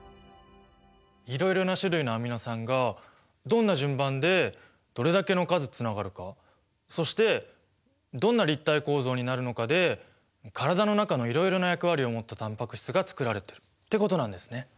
いろいろな種類のアミノ酸がどんな順番でどれだけの数つながるかそしてどんな立体構造になるのかで体の中のいろいろな役割を持ったタンパク質がつくられてるってことなんですね。